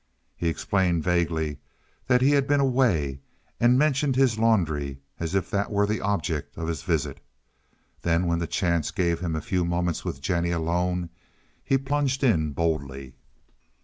He explained vaguely that he had been away, and mentioned his laundry as if that were the object of his visit. Then, when chance gave him a few moments with Jennie alone, he plunged in boldly.